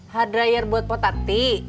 hair dryer buat potati